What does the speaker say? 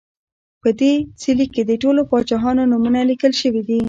په دې څلي کې د ټولو پاچاهانو نومونه لیکل شوي دي